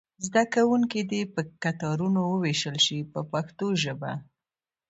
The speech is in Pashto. زده کوونکي دې په کتارونو وویشل شي په پښتو ژبه.